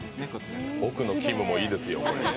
奥のきむもいいですよ。